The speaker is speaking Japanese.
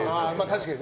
確かに。